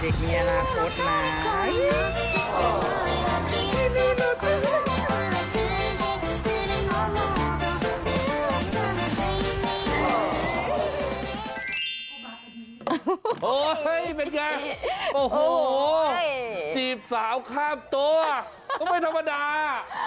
โอ้โหเป็นไงโอ้โหจีบสาวข้ามตัวก็ไม่ธรรมดา